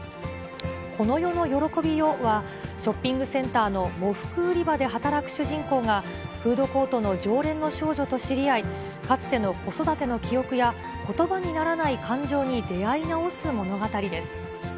この世の喜びよは、ショッピングセンターの喪服売り場で働く主人公が、フードコートの常連の少女と知り合い、かつての子育ての記憶やことばにならない感情に出会い直す物語です。